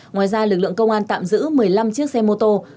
ngoài ra lực lượng công an tạm giữ một mươi năm chiếc xe mô tô